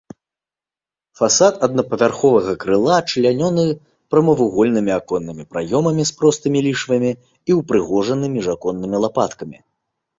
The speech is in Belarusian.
Фасад аднапавярховага крыла члянёны прамавугольнымі аконнымі праёмамі з простымі ліштвамі і ўпрыгожаны міжаконнымі лапаткамі.